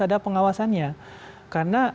ada pengawasannya karena